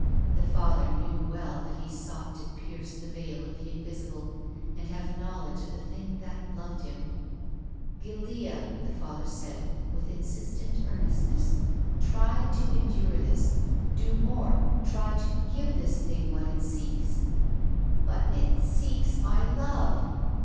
The Father knew well that he sought to pierce the veil of the invisible, and have knowledge of the thing that loved him. "Guildea," the Father said, with insistent ear nestness, " try to endure this — do more — try to give this thing what it seeks." " But it seeks my love."